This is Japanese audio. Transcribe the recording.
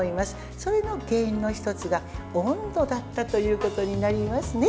それの原因の１つが温度だったということになりますね。